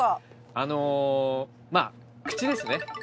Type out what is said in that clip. あのまぁ口ですね。